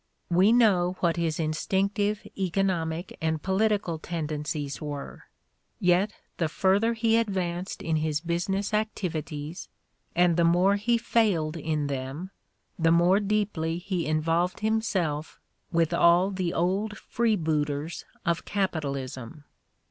We know what his instinctive economic and political tendencies were; yet the further he advanced in his business activities, and the more he failed in them, the more deeply he involved himself with all the old freebooters of capitalism.